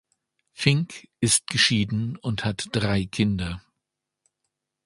Fink ist geschieden und hat drei Kinder.